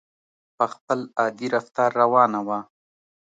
په خپل عادي رفتار روانه وه.